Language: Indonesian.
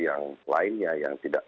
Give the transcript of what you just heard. yang lainnya yang tidak